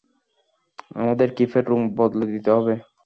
আমাদের কিফের রুম বদলে দিতে হবে।